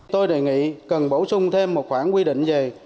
tôi đề nghị cần bổ sung thêm một khoảng quy định về